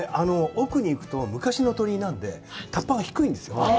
奥に行くと昔の鳥居なんで、タッパが低いんですよ。